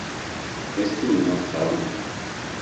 Ez du inor zauritu.